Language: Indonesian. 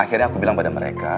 akhirnya aku bilang pada mereka